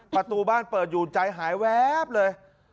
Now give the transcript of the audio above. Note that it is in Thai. ประตูบ้านเปิดอยู่ใจหายแวบเลย